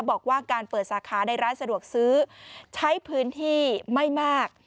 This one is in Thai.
บอกว่าการเปิดสาขาในร้านสะดวกซื้อใช้พื้นที่ไม่มาก